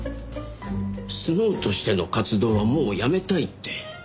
スノウとしての活動はもうやめたいって。